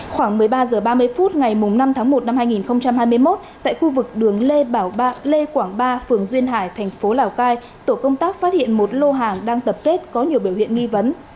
khoảng một mươi ba h ba mươi phút ngày năm tháng một năm hai nghìn hai mươi một tại khu vực đường lê quảng ba phường duyên hải thành phố lào cai tổ công tác phát hiện một lô hàng đang tập kết có nhiều biểu hiện nghi vấn